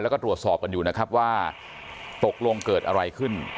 แล้วก็ตรวจสอบกันอยู่นะครับว่าตกลงเกิดอะไรขึ้น